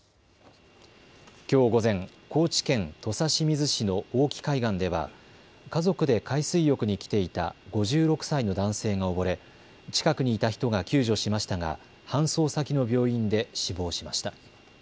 きょう午前、高知県土佐清水市の大岐海岸では家族で海水浴に来ていた５６歳の男性が溺れ近くにいた人が救助しましたが搬送先の病院で死亡しました。